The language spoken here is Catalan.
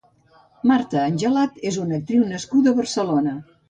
Marta Angelat és una actriu nascuda a Barcelona.